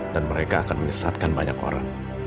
dan mereka akan menyesatkan banyak orang